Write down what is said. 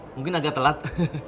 mungkin agak telat